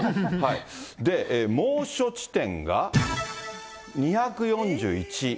で、猛暑地点が２４１。